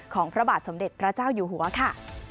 พระบาทสมเด็จพระเจ้าอยู่หัวค่ะ